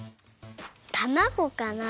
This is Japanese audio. たまごかな？